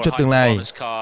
cho tương lai